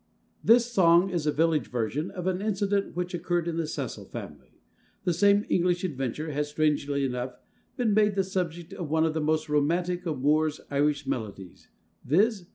[THIS song is a village version of an incident which occurred in the Cecil family. The same English adventure has, strangely enough, been made the subject of one of the most romantic of Moore's Irish Melodies, viz.